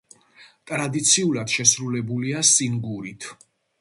ტრადიციულად, შესრულებულია სინგურით.